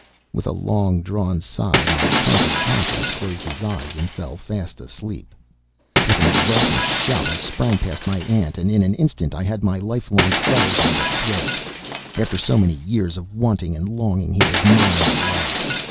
With a long drawn sigh my conquered Conscience closed his eyes and fell fast asleep! With an exultant shout I sprang past my aunt, and in an instant I had my lifelong foe by the throat. After so many years of waiting and longing, he was mine at last.